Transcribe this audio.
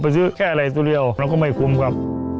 ไปซื้อแค่อะไรตัวเดียวก็ไม่ควรกับ